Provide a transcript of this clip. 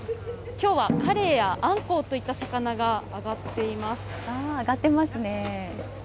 きょうはカレイやアンコウといった魚が揚がっています。